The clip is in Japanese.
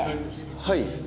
はい。